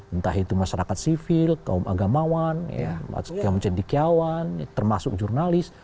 entah itu masyarakat sivil kaum agamawan kaum cendikiawan termasuk jurnalis